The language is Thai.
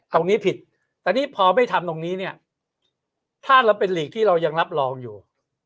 ผิดแต่นี่พอไม่ทำตรงนี้เนี่ยถ้าเราเป็นหลีกที่เรายังรับรองอยู่